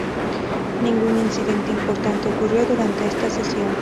Ningún incidente importante ocurrió durante esta sesión.